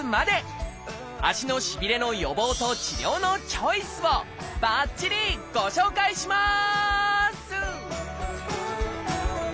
足のしびれの予防と治療のチョイスをばっちりご紹介します！